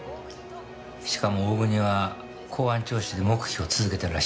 しかも大國は公安聴取で黙秘を続けてるらしい。